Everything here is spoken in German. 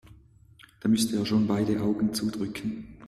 Da müsste er schon beide Augen zudrücken.